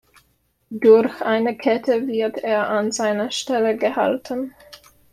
Durch eine Kette wird er an seiner Stelle gehalten.